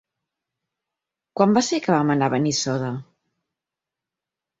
Quan va ser que vam anar a Benissoda?